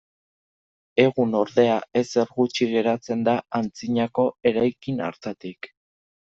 Egun, ordea, ezer gutxi geratzen da antzinako eraikin hartatik.